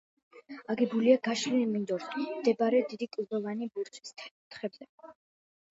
აგებულია გაშლილ მინდორზე მდებარე დიდი კლდოვანი ბორცვის თხემზე.